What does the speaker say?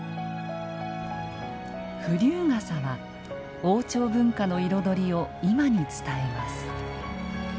風流傘は王朝文化の彩りを今に伝えます。